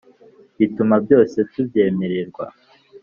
bituma byose tubyemererwa